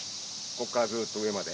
こっからずっと上まで。